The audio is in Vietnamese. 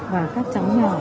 và các cháu nhỏ